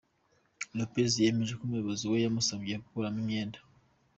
Lopez yemeje ko umuyobozi we yamusabye gukuramo imyenda.